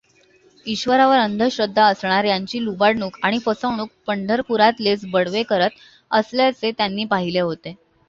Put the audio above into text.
ईश्वरावर अंधश्रद्धा असणार् यांची लुबाडणूक आणि फसवणूक पंढरपुरातलेच बडवे करत असल्याचे त्यांनी पाहिले होते.